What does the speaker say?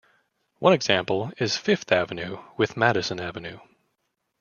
One example is Fifth Avenue with Madison Avenue.